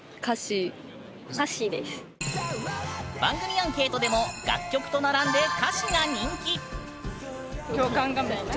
番組アンケートでも楽曲と並んでそう。